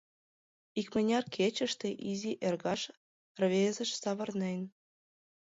Икмыняр кечыште изи эргаш рвезыш савырнен.